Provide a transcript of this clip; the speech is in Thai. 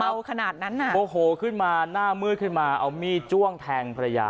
ขนาดนั้นน่ะโอ้โหขึ้นมาหน้ามืดขึ้นมาเอามีดจ้วงแทงภรรยา